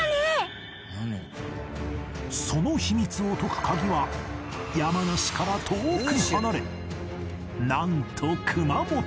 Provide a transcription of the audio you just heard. その秘密を解く鍵は山梨から遠く離れなんと熊本